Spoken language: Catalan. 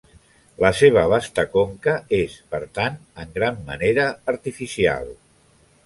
La seva vasta conca és, per tant, en gran manera artificial.